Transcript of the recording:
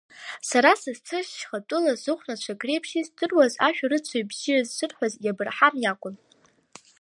Сара сызцыз шьхатәыла зыхәнацәак реиԥш издыруаз, ашәарыцаҩ бзиа ззырҳәоз Иабырҳам иакәын.